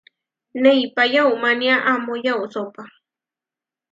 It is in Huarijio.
Neipá yaumánia amó yausópa.